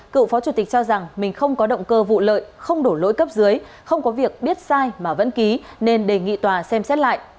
cựu phó chủ tịch cho rằng mình không có động cơ vụ lợi không đổ lỗi cấp dưới không có việc biết sai mà vẫn ký nên đề nghị tòa xem xét lại